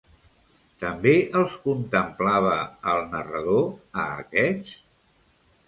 També els contemplava el narrador a aquests?